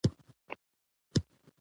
د پنجشېر سیند د کاپیسا ولایت څخه تېرېږي